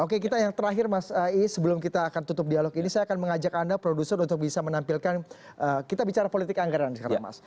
oke kita yang terakhir mas ais sebelum kita akan tutup dialog ini saya akan mengajak anda produser untuk bisa menampilkan kita bicara politik anggaran sekarang mas